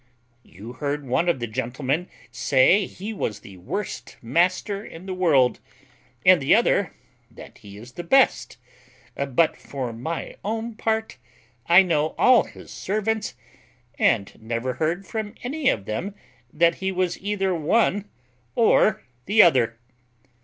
You heard one of the gentlemen say he was the worst master in the world, and the other that he is the best; but for my own part, I know all his servants, and never heard from any of them that he was either one or the other."